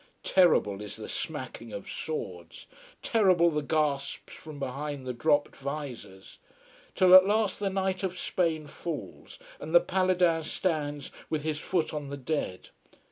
Terrible is the smacking of swords, terrible the gasps from behind the dropped visors. Till at last the knight of Spain falls and the Paladin stands with his foot on the dead.